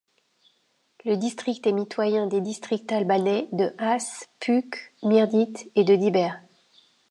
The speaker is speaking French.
Le district est mitoyen des districts albanais de Has, Püke, Mirdite et de Dibër.